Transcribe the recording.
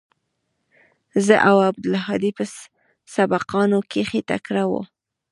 زه او عبدالهادي په سبقانو کښې تکړه وو.